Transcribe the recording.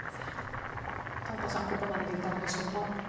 田中さん、ここまででいかがでしょうか。